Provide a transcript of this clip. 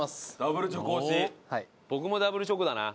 僕もダブルチョコだな。